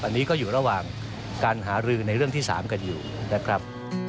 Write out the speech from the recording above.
อันนี้ก็อยู่ระหว่างการหารือในเรื่องที่๓กันอยู่นะครับ